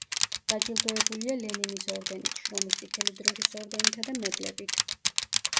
დაჯილდოებულია ლენინის ორდენით, შრომის წითელი დროშისა ორდენითა და მედლებით.